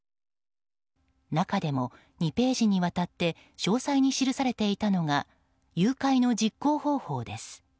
中でも、２ページにわたって詳細に記されていたのが誘拐の実行方法です。